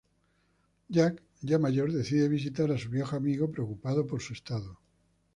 Jack, ya mayor, decide visitar a su viejo amigo, preocupado por su estado.